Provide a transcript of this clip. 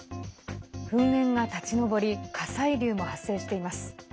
噴煙が立ち上り火砕流も発生しています。